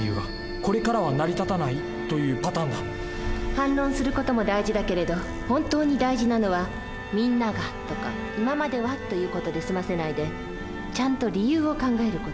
反論する事も大事だけれど本当に大事なのは「みんなが」とか「今までは」という事で済ませないでちゃんと理由を考える事。